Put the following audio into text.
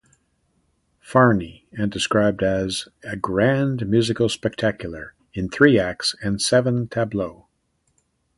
Farnie and described as "a Grand Musical Spectacular, in three acts and seven tableaux".